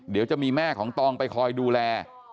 เดี๋ยวจะมีแม่ของตองไปคอยดูแล